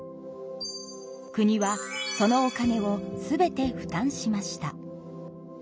国はそのお金を全て負担しました。